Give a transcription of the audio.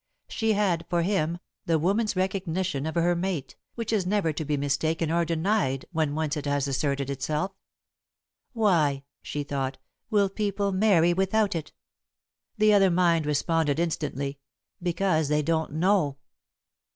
She had, for him, the woman's recognition of her mate, which is never to be mistaken or denied when once it has asserted itself. "Why," she thought, "will people marry without it?" The other mind responded instantly: "Because they don't know."